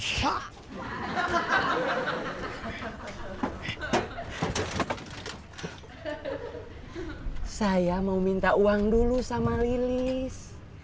saya mau minta uang dulu sama lilis